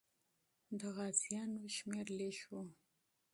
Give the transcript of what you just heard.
د غازیانو شمېر لږ وو.